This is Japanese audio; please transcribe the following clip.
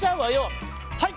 「はい！